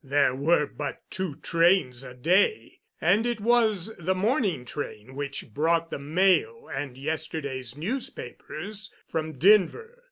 There were but two trains a day, and it was the morning train which brought the mail and yesterday's newspapers from Denver.